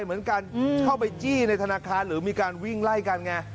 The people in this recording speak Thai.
เหมือนกันเข้าไปจี้ในธนาคารหรือมีการวิ่งไล่กันไง